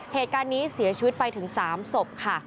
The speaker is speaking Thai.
เหตุการณ์นี้เสียชีวิตไปถึง๓ศพค่ะ